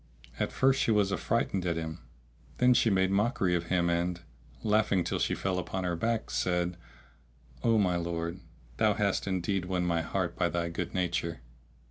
At first she was affrighted at him; then she made mockery of him and, laughing till she fell upon her back, said, "O my lord, thou hast indeed won my heart by thy good nature!"